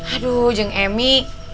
aduh jeng emi